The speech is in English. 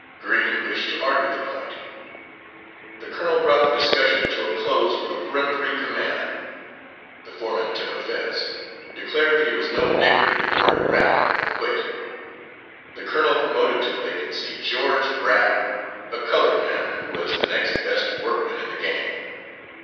Green wished to argue the point. The colonel brought the discussion to a close with a peremptory command. The foreman took offense, declared that he was no nigger to be ordered around, and quit. The colonel promoted to the vacancy George Brown, a coloured man, who was the next best workman in the gang.